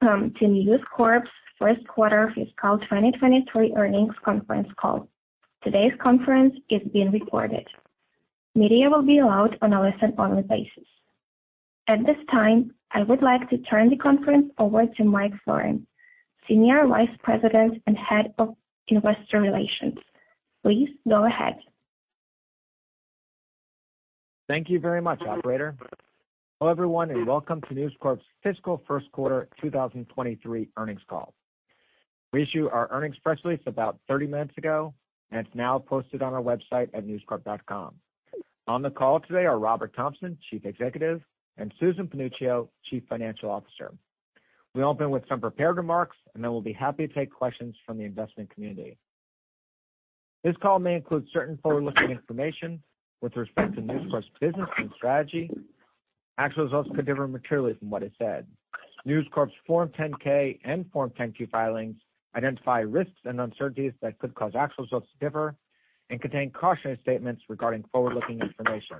Welcome to News Corp's first quarter fiscal 2023 earnings conference call. Today's conference is being recorded. Media will be allowed on a listen-only basis. At this time, I would like to turn the conference over to Michael Florin, Senior Vice President and Head of Investor Relations. Please go ahead. Thank you very much, operator. Hello, everyone, welcome to News Corp's fiscal first quarter 2023 earnings call. We issued our earnings press release about 30 minutes ago, it's now posted on our website at newscorp.com. On the call today are Robert Thomson, Chief Executive, and Susan Panuccio, Chief Financial Officer. We'll open with some prepared remarks, then we'll be happy to take questions from the investment community. This call may include certain forward-looking information with respect to News Corp's business and strategy. Actual results could differ materially from what is said. News Corp's Form 10-K and Form 10-Q filings identify risks and uncertainties that could cause actual results to differ and contain cautionary statements regarding forward-looking information.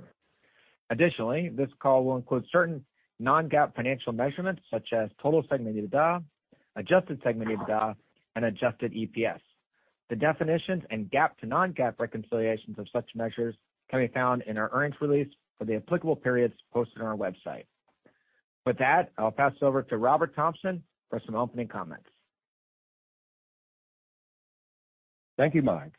This call will include certain non-GAAP financial measurements, such as total segment EBITDA, adjusted segment EBITDA, and adjusted EPS. The definitions and GAAP to non-GAAP reconciliations of such measures can be found in our earnings release for the applicable periods posted on our website. With that, I'll pass it over to Robert Thomson for some opening comments. Thank you, Mike.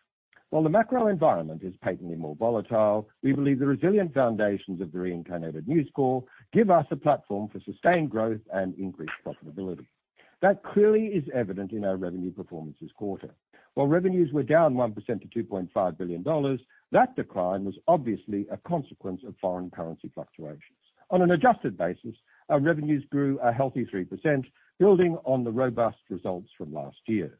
While the macro environment is patently more volatile, we believe the resilient foundations of the reincarnated News Corp give us a platform for sustained growth and increased profitability. That clearly is evident in our revenue performance this quarter. While revenues were down 1% to $2.5 billion, that decline was obviously a consequence of foreign currency fluctuations. On an adjusted basis, our revenues grew a healthy 3%, building on the robust results from last year.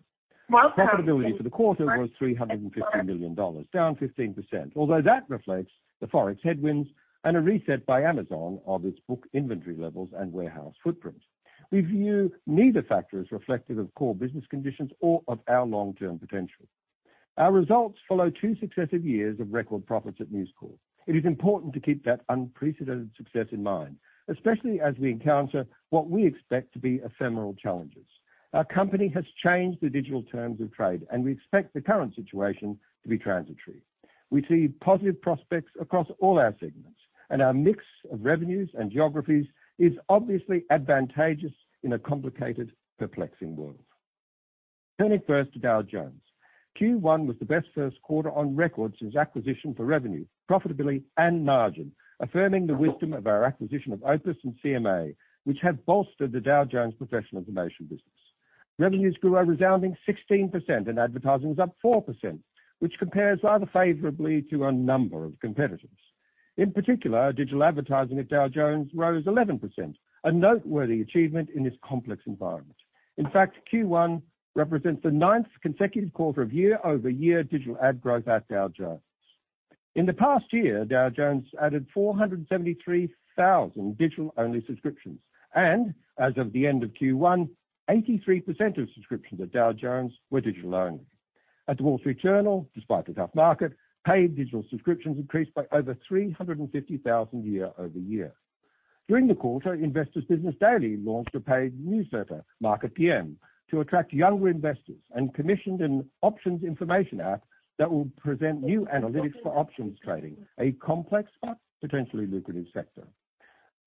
Profitability for the quarter was $350 million, down 15%, although that reflects the Forex headwinds and a reset by Amazon of its book inventory levels and warehouse footprints. We view neither factor as reflective of core business conditions or of our long-term potential. Our results follow two successive years of record profits at News Corp. It is important to keep that unprecedented success in mind, especially as we encounter what we expect to be ephemeral challenges. Our company has changed the digital terms of trade, and we expect the current situation to be transitory. We see positive prospects across all our segments, and our mix of revenues and geographies is obviously advantageous in a complicated, perplexing world. Turning first to Dow Jones. Q1 was the best first quarter on record since acquisition for revenue, profitability, and margin, affirming the wisdom of our acquisition of OPIS and CMA, which have bolstered the Dow Jones Professional Information Business. Revenues grew a resounding 16%, and advertising was up 4%, which compares rather favorably to a number of competitors. In particular, digital advertising at Dow Jones rose 11%, a noteworthy achievement in this complex environment. Q1 represents the ninth consecutive quarter of year-over-year digital ad growth at Dow Jones. In the past year, Dow Jones added 473,000 digital-only subscriptions, and as of the end of Q1, 83% of subscriptions at Dow Jones were digital only. At The Wall Street Journal, despite the tough market, paid digital subscriptions increased by over 350,000 year-over-year. During the quarter, Investor's Business Daily launched a paid newsletter, Market PM, to attract younger investors, and commissioned an options information app that will present new analytics for options trading, a complex but potentially lucrative sector.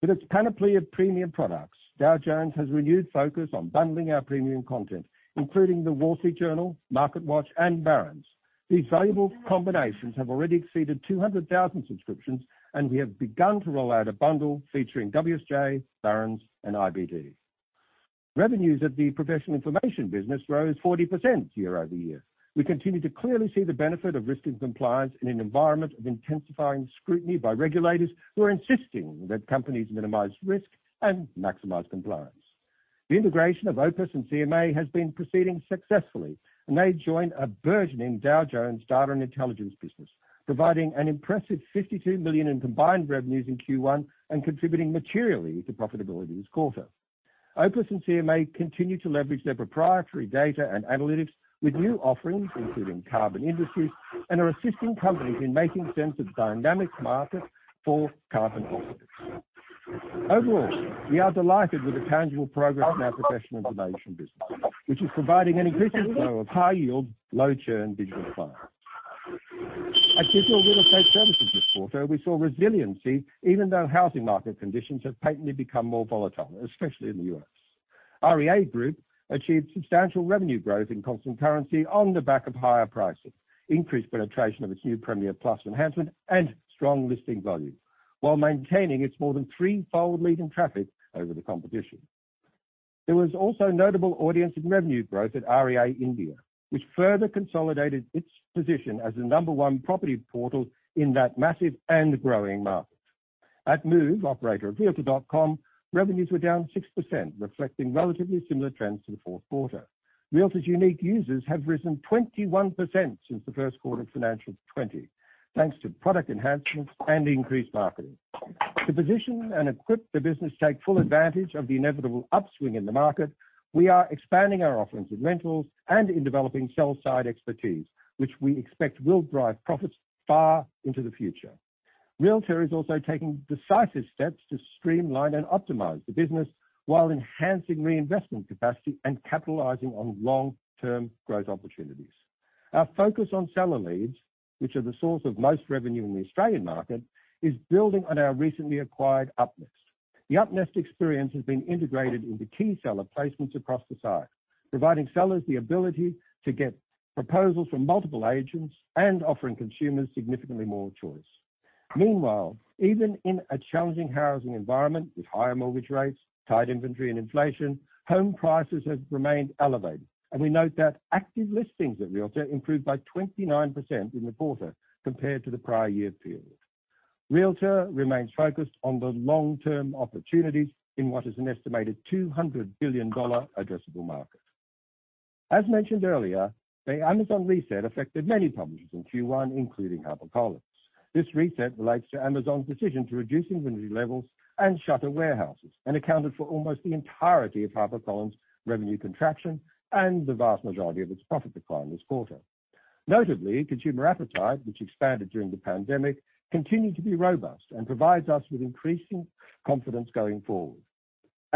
With its panoply of premium products, Dow Jones has renewed focus on bundling our premium content, including The Wall Street Journal, MarketWatch, and Barron's. These valuable combinations have already exceeded 200,000 subscriptions, and we have begun to roll out a bundle featuring WSJ, Barron's, and IBD. Revenues at the Professional Information Business rose 40% year-over-year. We continue to clearly see the benefit of risk and compliance in an environment of intensifying scrutiny by regulators who are insisting that companies minimize risk and maximize compliance. The integration of OPIS and CMA has been proceeding successfully, and they join a burgeoning Dow Jones data and intelligence business, providing an impressive $52 million in combined revenues in Q1 and contributing materially to profitability this quarter. OPIS and CMA continue to leverage their proprietary data and analytics with new offerings, including carbon indices, and are assisting companies in making sense of the dynamic market for carbon offsets. Overall, we are delighted with the tangible progress in our Professional Information Business, which is providing an increasing flow of high yield, low churn digital. At Digital Real Estate Services this quarter, we saw resiliency even though housing market conditions have patently become more volatile, especially in the U.S. REA Group achieved substantial revenue growth in constant currency on the back of higher pricing, increased penetration of its new Premier Plus enhancement, and strong listing volume while maintaining its more than threefold leading traffic over the competition. There was also notable audience and revenue growth at REA India, which further consolidated its position as the number 1 property portal in that massive and growing market. At Move, operator of realtor.com, revenues were down 6%, reflecting relatively similar trends to the fourth quarter. Realtor's unique users have risen 21% since the first quarter of financial 2020, thanks to product enhancements and increased marketing. To position and equip the business to take full advantage of the inevitable upswing in the market, we are expanding our offerings in rentals and in developing sell side expertise, which we expect will drive profits far into the future. Realtor.com is also taking decisive steps to streamline and optimize the business while enhancing reinvestment capacity and capitalizing on long-term growth opportunities. Our focus on seller leads, which are the source of most revenue in the Australian market, is building on our recently acquired UpNest. The UpNest experience has been integrated into key seller placements across the site, providing sellers the ability to get proposals from multiple agents and offering consumers significantly more choice. Meanwhile, even in a challenging housing environment with higher mortgage rates, tight inventory, and inflation, home prices have remained elevated, and we note that active listings at Realtor.com improved by 29% in the quarter compared to the prior year period. Realtor.com remains focused on the long-term opportunities in what is an estimated $200 billion addressable market. As mentioned earlier, the Amazon reset affected many publishers in Q1, including HarperCollins. This reset relates to Amazon's decision to reduce inventory levels and shutter warehouses and accounted for almost the entirety of HarperCollins' revenue contraction and the vast majority of its profit decline this quarter. Notably, consumer appetite, which expanded during the pandemic, continued to be robust and provides us with increasing confidence going forward.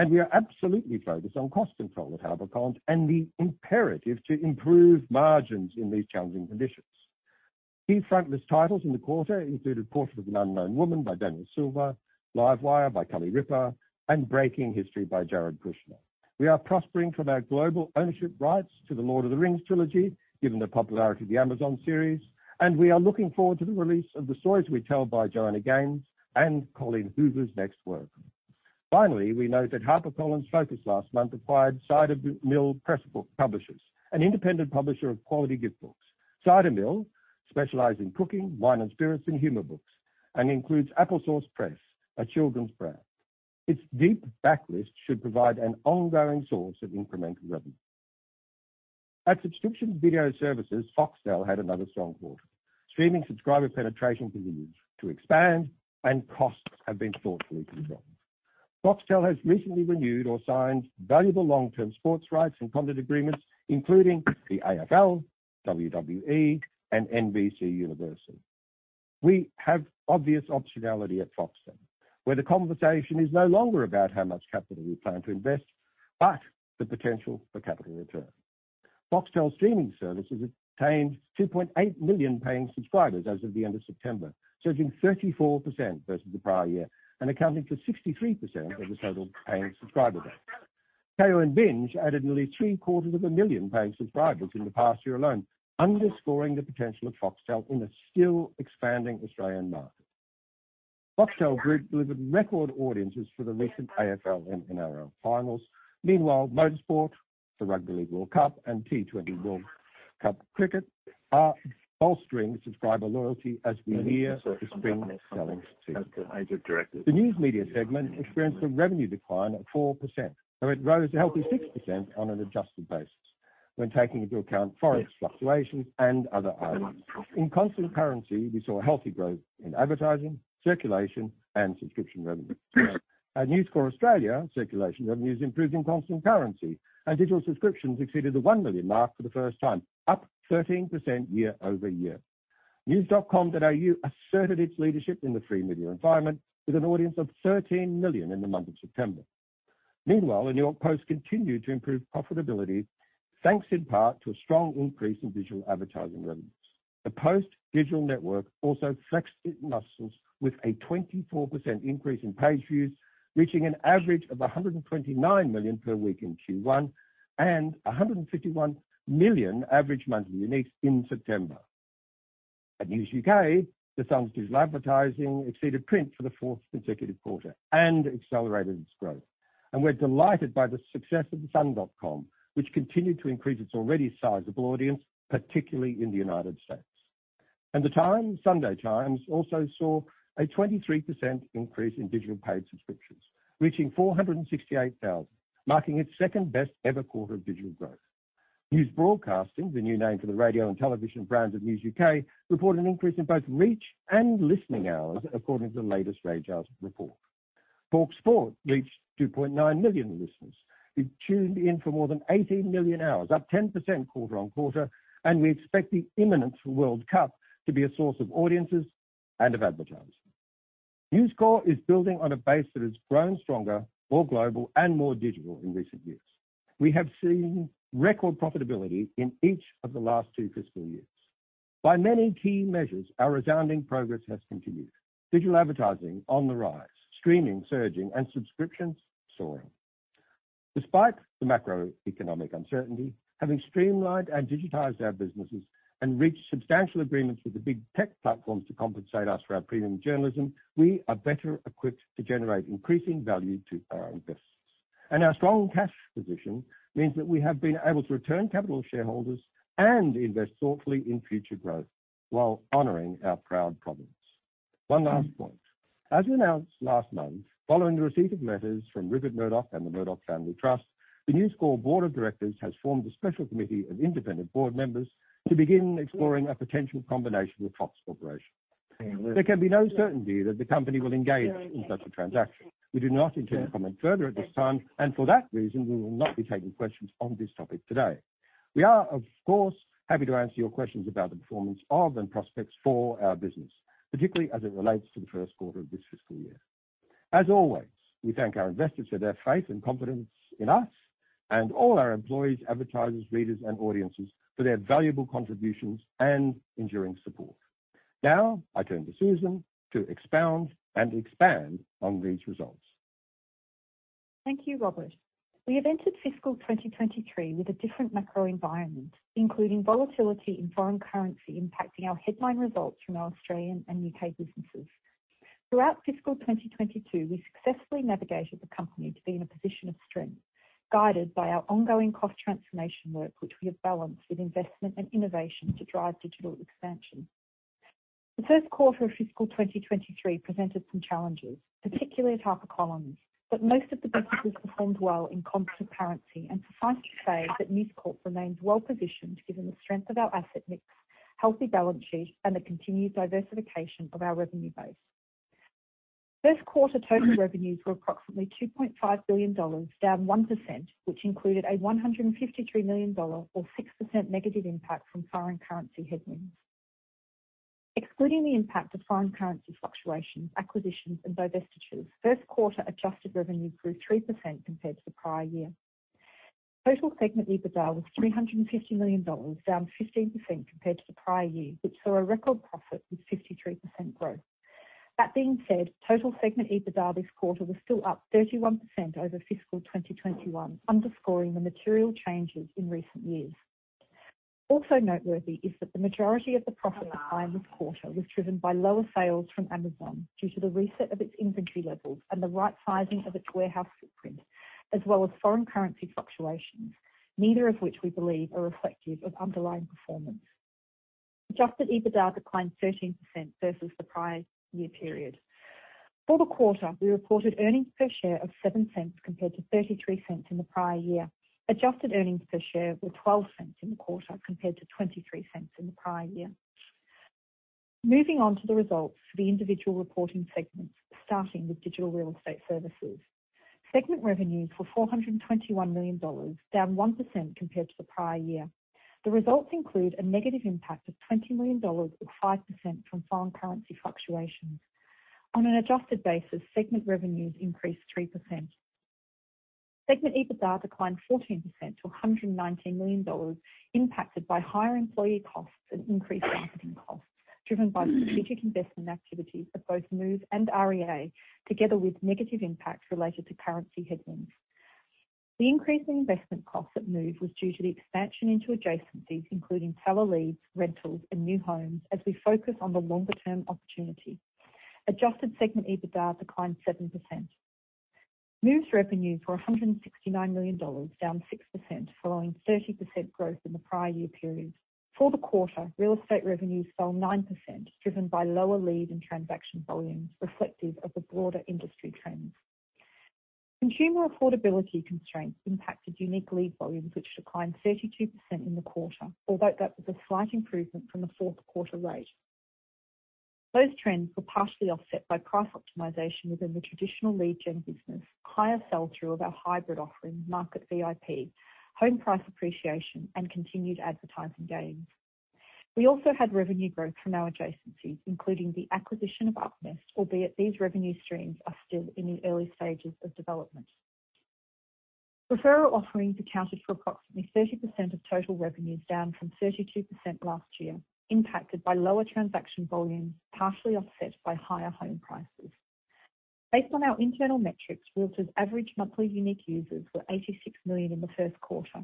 We are absolutely focused on cost control at HarperCollins and the imperative to improve margins in these challenging conditions. Key frontlist titles in the quarter included "Portrait of an Unknown Woman" by Daniel Silva, "Live Wire" by Kelly Ripa, and "Breaking History" by Jared Kushner. We are prospering from our global ownership rights to the "Lord of the Rings" trilogy, given the popularity of the Amazon series, and we are looking forward to the release of "The Stories We Tell" by Joanna Gaines and Colleen Hoover's next work. Finally, we note that HarperCollins Focus last month acquired Cider Mill Press Book Publishers, an independent publisher of quality gift books. Cider Mill specialize in cooking, wine and spirits, and humor books, and includes Applesauce Press, a children's brand. Its deep backlist should provide an ongoing source of incremental revenue. At Subscription Video Services, Foxtel had another strong quarter. Streaming subscriber penetration continued to expand, and costs have been thoughtfully controlled. Foxtel has recently renewed or signed valuable long-term sports rights and content agreements, including the AFL, WWE, and NBCUniversal. We have obvious optionality at Foxtel, where the conversation is no longer about how much capital we plan to invest, but the potential for capital return. Foxtel streaming services attained 2.8 million paying subscribers as of the end of September, surging 34% versus the prior year and accounting for 63% of the total paying subscriber base. Kayo and Binge added nearly three-quarters of a million paying subscribers in the past year alone, underscoring the potential of Foxtel in a still-expanding Australian market. Foxtel Group delivered record audiences for the recent AFL and NRL finals. Meanwhile, motorsport, the Rugby League World Cup, and T20 World Cup Cricket are bolstering subscriber loyalty as we near the spring selling season. The News Media segment experienced a revenue decline of 4%, though it rose a healthy 6% on an adjusted basis when taking into account foreign fluctuations and other items. In constant currency, we saw healthy growth in advertising, circulation, and subscription revenue. At News Corp Australia, circulation revenues improved in constant currency, and digital subscriptions exceeded the one million mark for the first time, up 13% year-over-year. news.com.au asserted its leadership in the free media environment with an audience of 13 million in the month of September. Meanwhile, the New York Post continued to improve profitability, thanks in part to a strong increase in digital advertising revenues. The Post digital network also flexed its muscles with a 24% increase in page views, reaching an average of 129 million per week in Q1 and 151 million average monthly uniques in September. At News UK, The Sun's digital advertising exceeded print for the fourth consecutive quarter and accelerated its growth. We're delighted by the success of thesun.co.uk, which continued to increase its already sizable audience, particularly in the U.S. The Times/Sunday Times also saw a 23% increase in digital paid subscriptions, reaching 468,000, marking its second-best ever quarter of digital growth. News Broadcasting, the new name for the radio and television brand of News UK, reported an increase in both reach and listening hours according to the latest RAJAR report. talkSPORT reached 2.9 million listeners who tuned in for more than 18 million hours, up 10% quarter-on-quarter. We expect the imminent World Cup to be a source of audiences and of advertising. News Corp is building on a base that has grown stronger, more global, and more digital in recent years. We have seen record profitability in each of the last two fiscal years. By many key measures, our resounding progress has continued. Digital advertising on the rise, streaming surging, and subscriptions soaring. Despite the macroeconomic uncertainty, having streamlined and digitized our businesses and reached substantial agreements with the big tech platforms to compensate us for our premium journalism, we are better equipped to generate increasing value to our investors. Our strong cash position means that we have been able to return capital to shareholders and invest thoughtfully in future growth while honoring our proud provenance. One last point. As we announced last month, following the receipt of letters from Rupert Murdoch and the Murdoch Family Trust, the News Corp Board of Directors has formed a special committee of independent board members to begin exploring a potential combination with Fox Corporation. There can be no certainty that the company will engage in such a transaction. We do not intend to comment further at this time, and for that reason, we will not be taking questions on this topic today. We are, of course, happy to answer your questions about the performance of and prospects for our business, particularly as it relates to the first quarter of this fiscal year. As always, we thank our investors for their faith and confidence in us and all our employees, advertisers, readers, and audiences for their valuable contributions and enduring support. Now, I turn to Susan to expound and expand on these results. Thank you, Robert. We have entered FY 2023 with a different macro environment, including volatility in foreign currency impacting our headline results from our Australian and U.K. businesses. Throughout FY 2022, we successfully navigated the company to be in a position of strength, guided by our ongoing cost transformation work, which we have balanced with investment and innovation to drive digital expansion. The first quarter of FY 2023 presented some challenges, particularly at HarperCollins, but most of the businesses performed well in constant currency. Suffice to say that News Corp remains well-positioned given the strength of our asset mix, healthy balance sheet, and the continued diversification of our revenue base. First quarter total revenues were approximately $2.5 billion, down 1%, which included a $153 million or 6% negative impact from foreign currency headwinds. Excluding the impact of foreign currency fluctuations, acquisitions, and divestitures, first quarter adjusted revenues grew 3% compared to the prior year. Total segment EBITDA was $350 million, down 15% compared to the prior year, which saw a record profit with 53% growth. That being said, total segment EBITDA this quarter was still up 31% over FY 2021, underscoring the material changes in recent years. Also noteworthy is that the majority of the profit decline this quarter was driven by lower sales from Amazon due to the reset of its inventory levels and the right sizing of its warehouse footprint, as well as foreign currency fluctuations. Neither of which we believe are reflective of underlying performance. Adjusted EBITDA declined 13% versus the prior year period. For the quarter, we reported earnings per share of $0.07 compared to $0.33 in the prior year. Adjusted earnings per share were $0.12 in the quarter compared to $0.23 in the prior year. Moving on to the results for the individual reporting segments, starting with digital real estate services. Segment revenues were $421 million, down 1% compared to the prior year. The results include a negative impact of $20 million or 5% from foreign currency fluctuations. On an adjusted basis, segment revenues increased 3%. Segment EBITDA declined 14% to $119 million, impacted by higher employee costs and increased marketing costs driven by strategic investment activities at both Move and REA, together with negative impacts related to currency headwinds. The increase in investment costs at Move was due to the expansion into adjacencies including power leads, rentals, and new homes as we focus on the longer-term opportunity. Adjusted segment EBITDA declined 7%. Move's revenues were $169 million, down 6%, following 30% growth in the prior year period. For the quarter, real estate revenues fell 9%, driven by lower lead and transaction volumes reflective of the broader industry trends. Consumer affordability constraints impacted unique lead volumes, which declined 32% in the quarter, although that was a slight improvement from the fourth quarter rate. Those trends were partially offset by price optimization within the traditional lead gen business, higher sell-through of our hybrid offering, MarketVIP, home price appreciation, and continued advertising gains. We also had revenue growth from our adjacencies, including the acquisition of UpNest, albeit these revenue streams are still in the early stages of development. Referrer offerings accounted for approximately 30% of total revenues, down from 32% last year, impacted by lower transaction volumes, partially offset by higher home prices. Based on our internal metrics, Realtor.com's average monthly unique users were 86 million in the first quarter.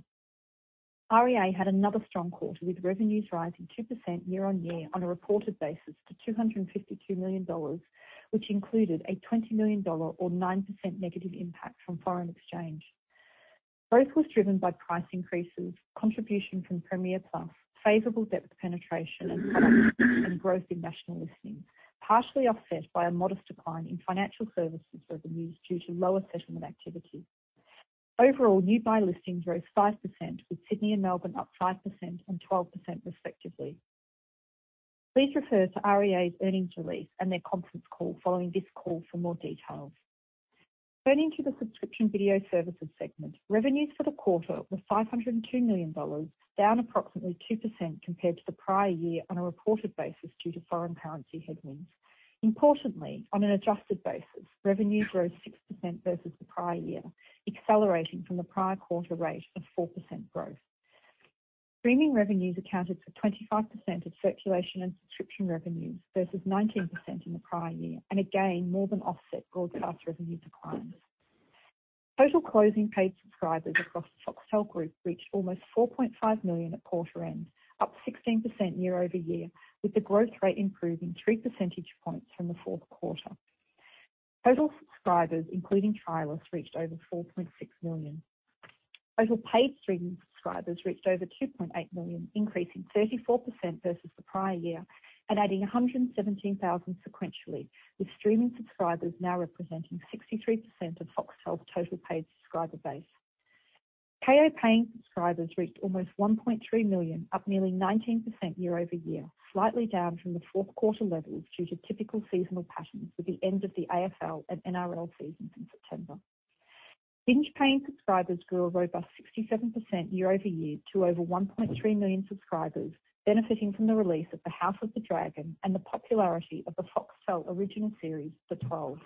REA had another strong quarter, with revenues rising 2% year-over-year on a reported basis to $252 million, which included a $20 million or 9% negative impact from foreign exchange. Growth was driven by price increases, contribution from Premier Plus, favorable depth penetration and product mix, and growth in national listings, partially offset by a modest decline in financial services revenues due to lower settlement activity. Overall, new buy listings rose 5%, with Sydney and Melbourne up 5% and 12% respectively. Please refer to REA's earnings release and their conference call following this call for more details. Turning to the subscription video services segment. Revenues for the quarter were $502 million, down approximately 2% compared to the prior year on a reported basis due to foreign currency headwinds. Importantly, on an adjusted basis, revenues grew 6% versus the prior year, accelerating from the prior quarter rate of 4% growth. Streaming revenues accounted for 25% of circulation and subscription revenues versus 19% in the prior year, and again, more than offset broadcast revenue declines. Total closing paid subscribers across the Foxtel Group reached almost 4.5 million at quarter end, up 16% year-over-year, with the growth rate improving three percentage points from the fourth quarter. Total subscribers, including trialists, reached over 4.6 million. Total paid streaming subscribers reached over 2.8 million, increasing 34% versus the prior year and adding 117,000 sequentially, with streaming subscribers now representing 63% of Foxtel's total paid subscriber base. Kayo paying subscribers reached almost 1.3 million, up nearly 19% year-over-year, slightly down from the fourth quarter levels due to typical seasonal patterns with the end of the AFL and NRL seasons in September. Binge paying subscribers grew a robust 67% year-over-year to over 1.3 million subscribers, benefiting from the release of "House of the Dragon" and the popularity of the Foxtel original series, "The Twelve".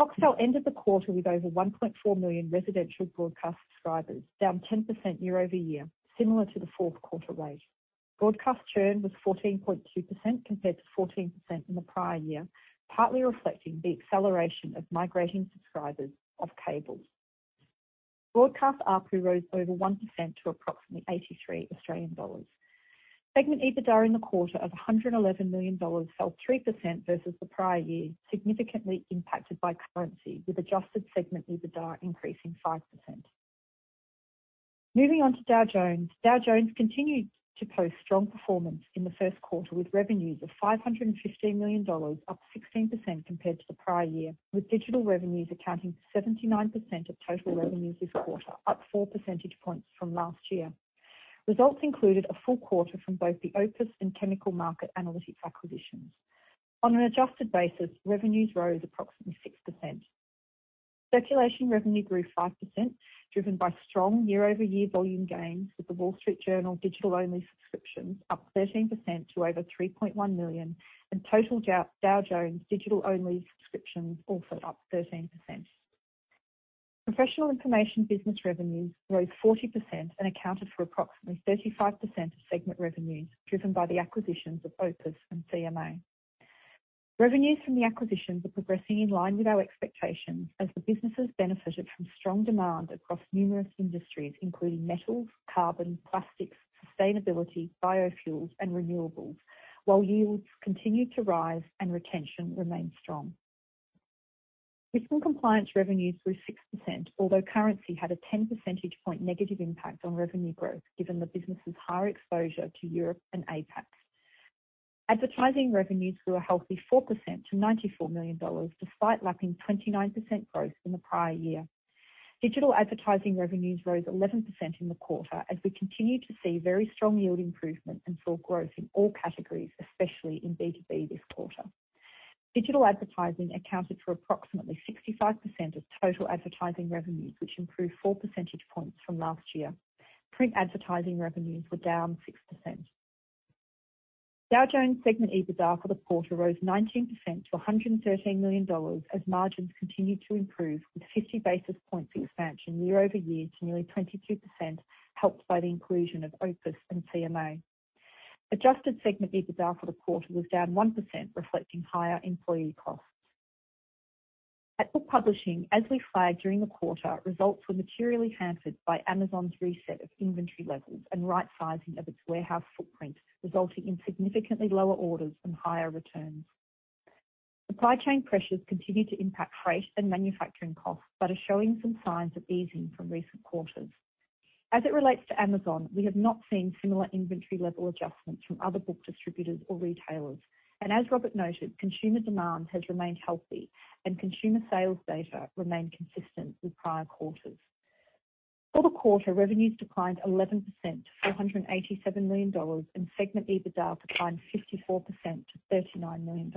Foxtel ended the quarter with over 1.4 million residential broadcast subscribers, down 10% year-over-year, similar to the fourth quarter rate. Broadcast churn was 14.2% compared to 14% in the prior year, partly reflecting the acceleration of migrating subscribers off cables. Broadcast ARPU rose over 1% to approximately 83 Australian dollars. Segment EBITDA in the quarter of $111 million, fell 3% versus the prior year, significantly impacted by currency, with adjusted segment EBITDA increasing 5%. Moving on to Dow Jones. Dow Jones continued to post strong performance in the first quarter, with revenues of $550 million, up 16% compared to the prior year, with digital revenues accounting for 79% of total revenues this quarter, up four percentage points from last year. Results included a full quarter from both the OPIS and Chemical Market Analytics acquisitions. On an adjusted basis, revenues rose approximately 6%. Circulation revenue grew 5%, driven by strong year-over-year volume gains, with The Wall Street Journal digital-only subscriptions up 13% to over 3.1 million, and total Dow Jones digital-only subscriptions also up 13%. Professional information business revenues rose 40% and accounted for approximately 35% of segment revenues, driven by the acquisitions of OPIS and CMA. Revenues from the acquisitions are progressing in line with our expectations, as the businesses benefited from strong demand across numerous industries, including metals, carbon, plastics, sustainability, biofuels, and renewables, while yields continued to rise and retention remained strong. Risk and compliance revenues grew 6%, although currency had a 10 percentage point negative impact on revenue growth, given the business's higher exposure to Europe and APAC. Advertising revenues grew a healthy 4% to $94 million, despite lapping 29% growth in the prior year. Digital advertising revenues rose 11% in the quarter, as we continued to see very strong yield improvement and saw growth in all categories, especially in B2B this quarter. Digital advertising accounted for approximately 65% of total advertising revenues, which improved four percentage points from last year. Print advertising revenues were down 6%. Dow Jones segment EBITDA for the quarter rose 19% to $113 million as margins continued to improve, with 50 basis points expansion year-over-year to nearly 22%, helped by the inclusion of OPIS and CMA. Adjusted segment EBITDA for the quarter was down 1%, reflecting higher employee costs. At book publishing, as we flagged during the quarter, results were materially hampered by Amazon's reset of inventory levels and rightsizing of its warehouse footprint, resulting in significantly lower orders and higher returns. Supply chain pressures continued to impact freight and manufacturing costs, but are showing some signs of easing from recent quarters. As it relates to Amazon, we have not seen similar inventory level adjustments from other book distributors or retailers. As Robert noted, consumer demand has remained healthy and consumer sales data remained consistent with prior quarters. For the quarter, revenues declined 11%, to $487 million, and segment EBITDA declined 54% to $39 million.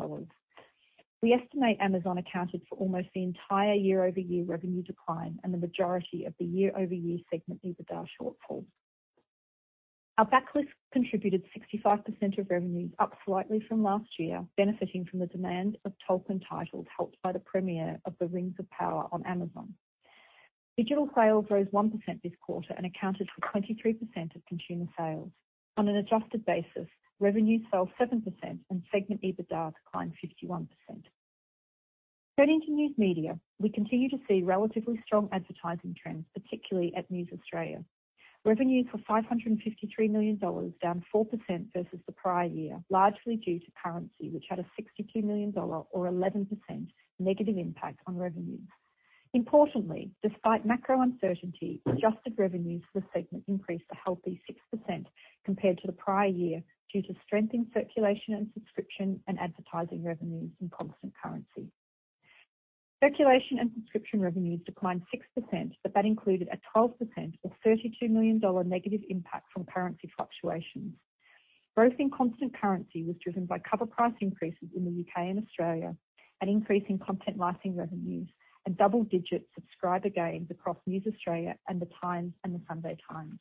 We estimate Amazon accounted for almost the entire year-over-year revenue decline and the majority of the year-over-year segment EBITDA shortfall. Our backlist contributed 65% of revenues, up slightly from last year, benefiting from the demand of Tolkien titles helped by the premiere of "The Lord of the Rings: The Rings of Power" on Amazon. Digital sales rose 1% this quarter and accounted for 23% of consumer sales. On an adjusted basis, revenues fell 7% and segment EBITDA declined 51%. Turning to News Media, we continue to see relatively strong advertising trends, particularly at News Corp Australia. Revenues were $553 million, down 4% versus the prior year, largely due to currency, which had a $62 million or 11% negative impact on revenues. Importantly, despite macro uncertainty, adjusted revenues for the segment increased a healthy 6% compared to the prior year due to strength in circulation and subscription and advertising revenues in constant currency. Circulation and subscription revenues declined 6%, that included a 12% or $32 million negative impact from currency fluctuations. Growth in constant currency was driven by cover price increases in the U.K. and Australia and increase in content licensing revenues and double-digit subscriber gains across News Corp Australia and The Times and The Sunday Times.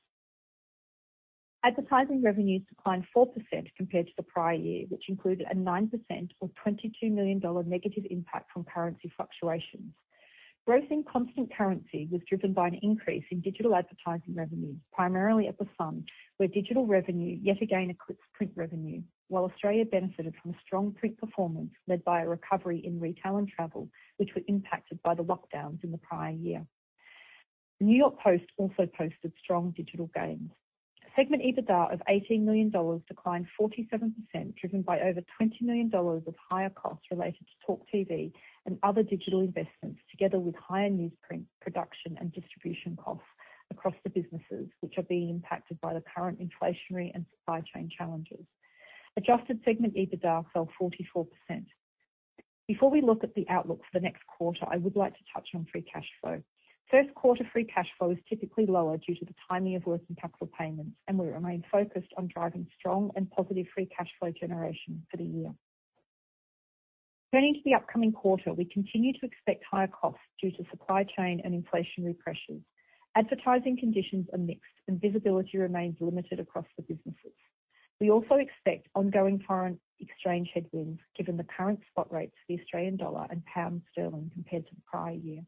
Advertising revenues declined 4% compared to the prior year, which included a 9% or $22 million negative impact from currency fluctuations. Growth in constant currency was driven by an increase in digital advertising revenues, primarily at The Sun, where digital revenue yet again eclipsed print revenue, while Australia benefited from strong print performance led by a recovery in retail and travel, which were impacted by the lockdowns in the prior year. The New York Post also posted strong digital gains. Segment EBITDA of $18 million declined 47%, driven by over $20 million of higher costs related to TalkTV and other digital investments, together with higher newsprint production and distribution costs across the businesses, which are being impacted by the current inflationary and supply chain challenges. Adjusted segment EBITDA fell 44%. Before we look at the outlook for the next quarter, I would like to touch on free cash flow. First quarter free cash flow is typically lower due to the timing of working capital payments. We remain focused on driving strong and positive free cash flow generation for the year. Turning to the upcoming quarter, we continue to expect higher costs due to supply chain and inflationary pressures. Advertising conditions are mixed. Visibility remains limited across the businesses. We also expect ongoing foreign exchange headwinds given the current spot rates for the Australian dollar and pound sterling compared to the prior year.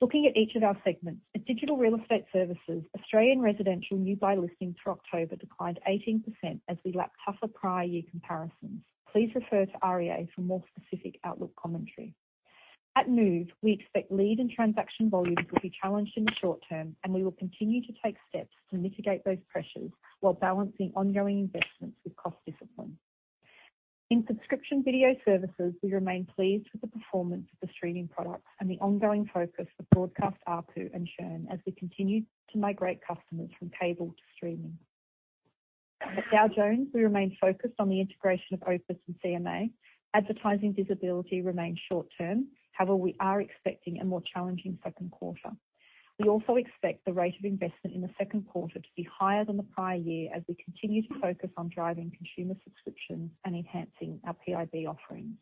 Looking at each of our segments. At Digital Real Estate Services, Australian residential new buy listings for October declined 18% as we lap tougher prior year comparisons. Please refer to REA for more specific outlook commentary. At Move, we expect lead and transaction volumes will be challenged in the short term. We will continue to take steps to mitigate those pressures while balancing ongoing investments with cost discipline. In Subscription Video Services, we remain pleased with the performance of the streaming products and the ongoing focus of Kast, AKU, and Shone as we continue to migrate customers from cable to streaming. At Dow Jones, we remain focused on the integration of OPIS and CMA. Advertising visibility remains short-term. However, we are expecting a more challenging second quarter. We also expect the rate of investment in the second quarter to be higher than the prior year as we continue to focus on driving consumer subscriptions and enhancing our PIB offerings.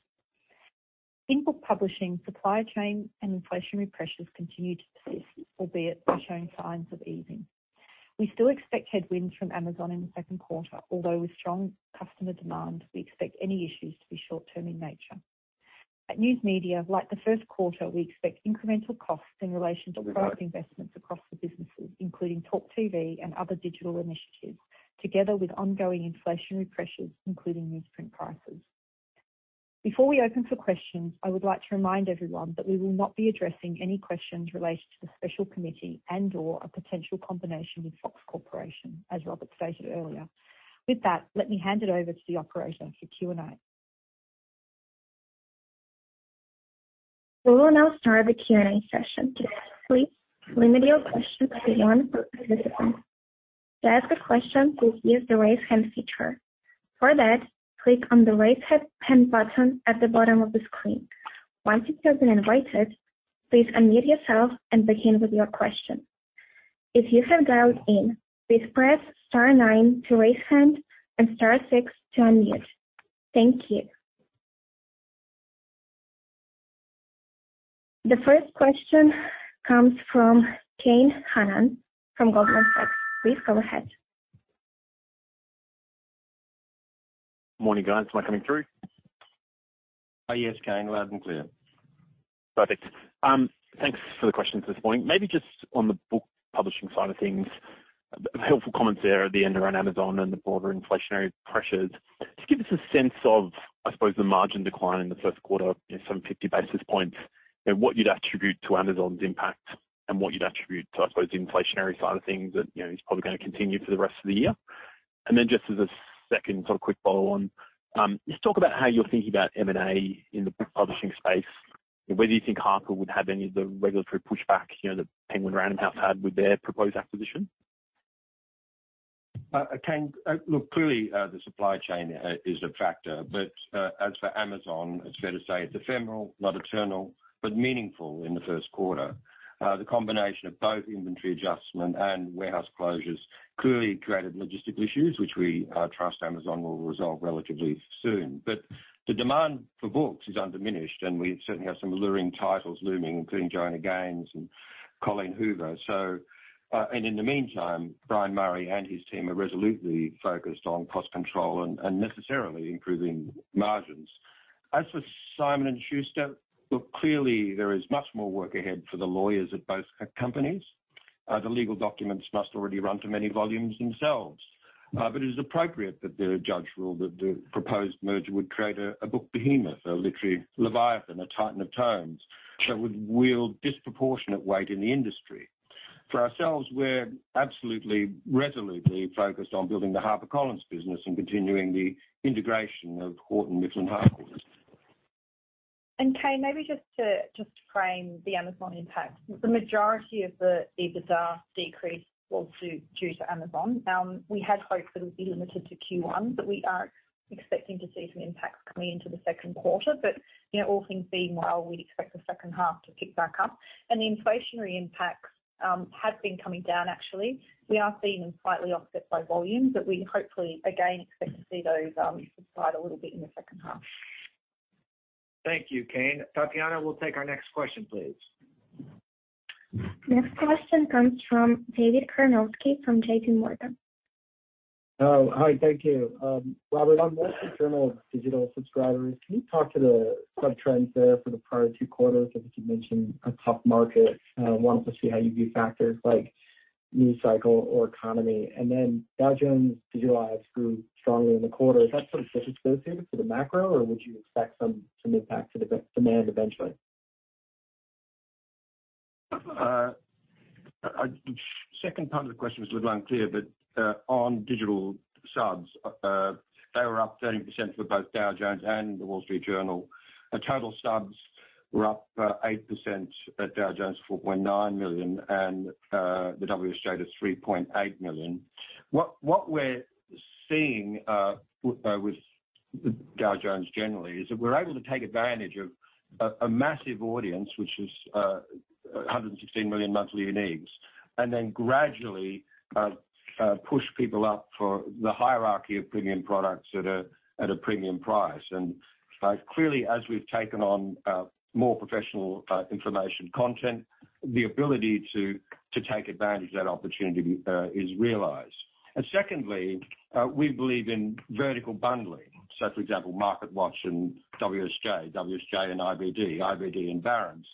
In Book Publishing, supply chain and inflationary pressures continue to persist, albeit are showing signs of easing. We still expect headwinds from Amazon in the second quarter, although with strong customer demand, we expect any issues to be short-term in nature. At News Media, like the first quarter, we expect incremental costs in relation to product investments across the businesses, including TalkTV and other digital initiatives, together with ongoing inflationary pressures, including newsprint prices. Before we open for questions, I would like to remind everyone that we will not be addressing any questions related to the special committee and/or a potential combination with Fox Corporation, as Robert stated earlier. Let me hand it over to the operator for Q&A. We will now start the Q&A session. Please limit your question to one per participant. To ask a question, please use the Raise Hand feature. For that, click on the raise pen button at the bottom of the screen. Once you have been invited, please unmute yourself and begin with your question. If you have dialed in, please press star nine to raise hand and star six to unmute. Thank you. The first question comes from Kane Hannan from Goldman Sachs. Please go ahead. Morning, guys. Am I coming through? Yes, Kane. Loud and clear. Perfect. Thanks for the questions this morning. Maybe just on the book publishing side of things, helpful comments there at the end around Amazon and the broader inflationary pressures. Just give us a sense of, I suppose, the margin decline in the first quarter in some 50 basis points, and what you'd attribute to Amazon's impact and what you'd attribute to, I suppose, the inflationary side of things that is probably going to continue for the rest of the year. Just as a second sort of quick follow-on. Just talk about how you're thinking about M&A in the book publishing space. Whether you think Harper would have any of the regulatory pushback, the Penguin Random House had with their proposed acquisition. Kane, clearly, the supply chain is a factor. As for Amazon, it's fair to say it's ephemeral, not eternal, but meaningful in the first quarter. The combination of both inventory adjustment and warehouse closures clearly created logistic issues, which we trust Amazon will resolve relatively soon. The demand for books is undiminished, and we certainly have some alluring titles looming, including Joanna Gaines and Colleen Hoover. In the meantime, Brian Murray and his team are resolutely focused on cost control and necessarily improving margins. As for Simon & Schuster, clearly there is much more work ahead for the lawyers at both companies. The legal documents must already run to many volumes themselves. It is appropriate that the judge ruled that the proposed merger would create a book behemoth, a literary leviathan, a titan of tomes, that would wield disproportionate weight in the industry. For ourselves, we're absolutely resolutely focused on building the HarperCollins business and continuing the integration of Houghton Mifflin Harcourt. Kane, maybe just to frame the Amazon impact. The majority of the EBITDA decrease was due to Amazon. We had hoped that it would be limited to Q1, but we are expecting to see some impacts coming into the second quarter. All things being well, we'd expect the second half to pick back up. The inflationary impacts have been coming down, actually. We are seeing them slightly offset by volume, but we hopefully, again, expect to see those subside a little bit in the second half. Thank you, Kane. Tatiana, we'll take our next question, please. Next question comes from David Karnovsky from JP Morgan. Oh, hi. Thank you. Robert, on Wall Street Journal digital subscribers, can you talk to the sub-trends there for the prior two quarters? I think you mentioned a tough market. Wanted to see how you view factors like news cycle or economy. Dow Jones' digital ads grew strongly in the quarter. Is that sort of disassociated to the macro, or would you expect some impact to the demand eventually? The second part of the question was a little unclear, on digital subs, they were up 13% for both Dow Jones and The Wall Street Journal. Total subs were up 8% at Dow Jones, 4.9 million, and the WSJ to 3.8 million. What we're seeing with Dow Jones generally is that we're able to take advantage of a massive audience, which is 116 million monthly uniques gradually push people up for the hierarchy of premium products at a premium price. Clearly, as we've taken on more professional information content, the ability to take advantage of that opportunity is realized. Secondly, we believe in vertical bundling. For example, MarketWatch and WSJ and IBD and Barron's,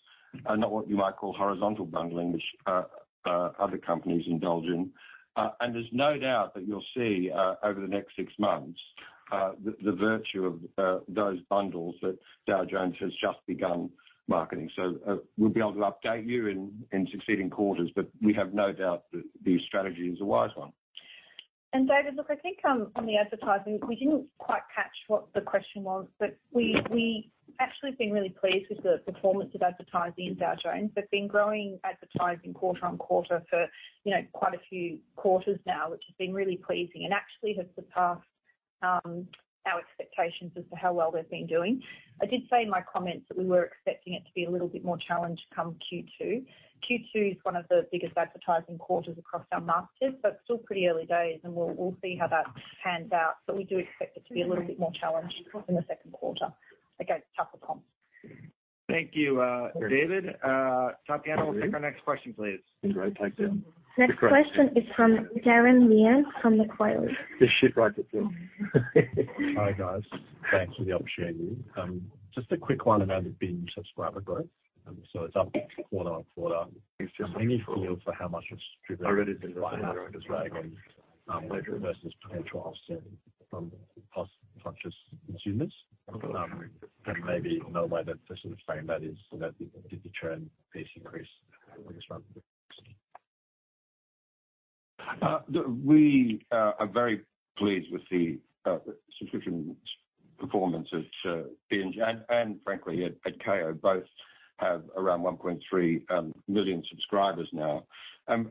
are not what you might call horizontal bundling, which other companies indulge in. There's no doubt that you'll see over the next six months, the virtue of those bundles that Dow Jones has just begun marketing. We'll be able to update you in succeeding quarters, we have no doubt that the strategy is a wise one. David, look, I think on the advertising, we didn't quite catch what the question was, we actually have been really pleased with the performance of advertising in Dow Jones. We've been growing advertising quarter on quarter for quite a few quarters now, which has been really pleasing and actually has surpassed our expectations as to how well they've been doing. I did say in my comments that we were expecting it to be a little bit more challenged come Q2. Q2 is one of the biggest advertising quarters across our markets, still pretty early days and we'll see how that pans out. We do expect it to be a little bit more challenged in the second quarter against tougher comps. Thank you, David. Tatiana, we'll take our next question, please. Next question is from Darren Leung from Macquarie. Just shit write the film. Hi, guys. Thanks for the opportunity. Just a quick one around the Binge subscriber growth. It's up quarter-on-quarter. Any feel for how much it's driven by perhaps Ray Meeks versus potential offsetting from cost-conscious consumers? Maybe another way that to sort of frame that is, the churn piece increase when it's run. We are very pleased with the subscription performance of Binge and frankly, at Kayo, both have around 1.3 million subscribers now.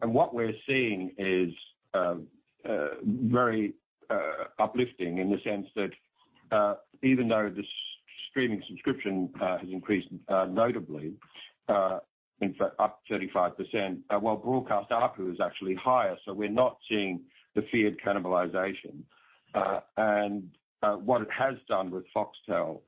What we're seeing is very uplifting in the sense that, even though the streaming subscription has increased notably, in fact up 35%, while broadcast ARPU is actually higher, we're not seeing the feared cannibalization. What it has done with Foxtel,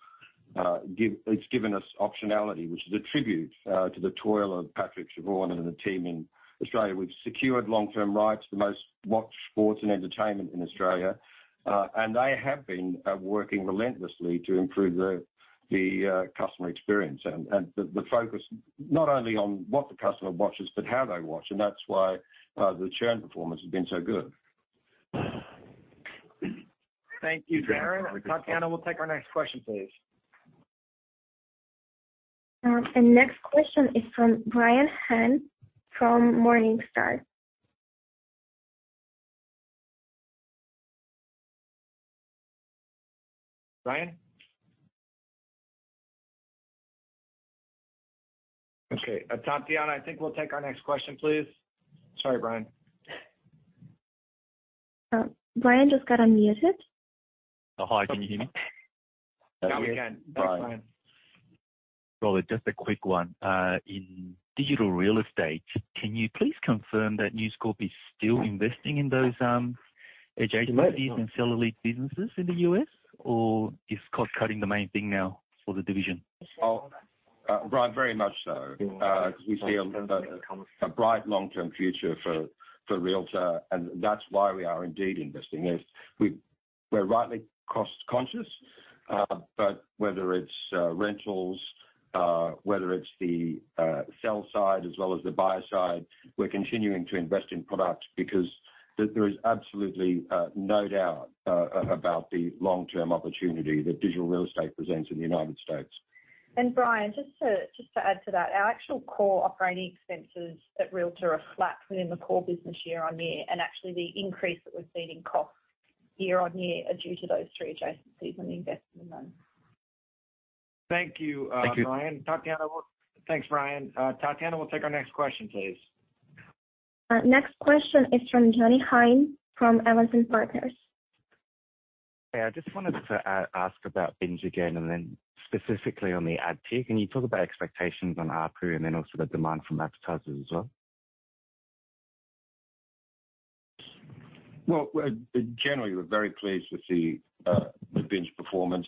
it's given us optionality, which is a tribute to the toil of Patrick Delany and the team in Australia, we've secured long-term rights, the most watched sports and entertainment in Australia. They have been working relentlessly to improve the customer experience and the focus not only on what the customer watches, but how they watch. That's why the churn performance has been so good. Thank you, Darren. Tatiana, we'll take our next question, please. The next question is from Brian Han, from Morningstar. Brian? Okay, Tatiana, I think we'll take our next question, please. Sorry, Brian. Brian just got unmuted. Oh, hi. Can you hear me? Now we can. Brian. Robert, just a quick one. In digital real estate, can you please confirm that News Corp is still investing in those adjacencies- It might be Sell elite businesses in the U.S., or is cost-cutting the main thing now for the division? Oh, Brian, very much so. We see a bright long-term future for Realtor.com, and that's why we are indeed investing. We're rightly cost-conscious. Whether it's rentals, whether it's the sell side as well as the buyer side, we're continuing to invest in product because there is absolutely no doubt about the long-term opportunity that digital real estate presents in the United States. Brian, just to add to that. Our actual core operating expenses at Realtor.com are flat within the core business year-on-year. Actually, the increase that we've seen in costs year-on-year are due to those three adjacencies and the investment in those. Thank you. Thank you. Brian. Thanks, Brian. Tatiana, we'll take our next question, please. Next question is from John Hein, from Amazon Partners. Hey. I just wanted to ask about Binge again, then specifically on the ad tech. Can you talk about expectations on ARPU then also the demand from advertisers as well? Well, generally, we're very pleased with the Binge performance.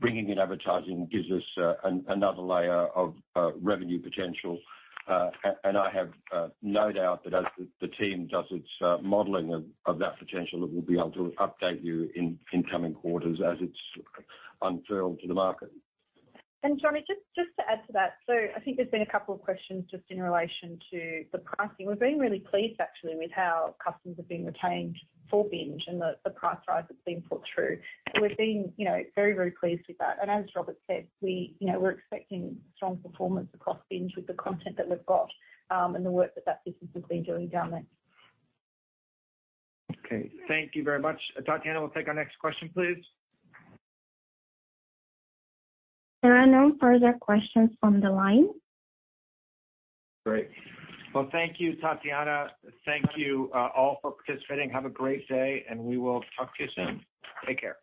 Bringing in advertising gives us another layer of revenue potential. I have no doubt that as the team does its modeling of that potential, that we'll be able to update you in coming quarters as it's unfurled to the market. Johnny, just to add to that. I think there's been a couple of questions just in relation to the pricing. We're being really pleased actually with how customers have been retained for Binge and the price rise that's been put through. We're being very pleased with that. As Robert said, we're expecting strong performance across Binge with the content that we've got, the work that business has been doing down there. Okay. Thank you very much. Tatiana, we will take our next question, please. There are no further questions from the line. Great. Well, thank you, Tatiana. Thank you all for participating. Have a great day, and we will talk to you soon. Take care.